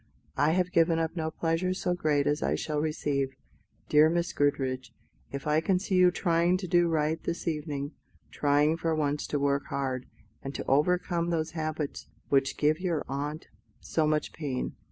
"I have given up no pleasure so great as I shall receive, dear Miss Goodriche, if I can see you trying to do right this evening: trying for once to work hard, and to overcome those habits which give your aunt so much pain.